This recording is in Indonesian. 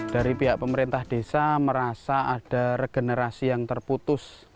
dari pihak pemerintah desa merasa ada regenerasi yang terputus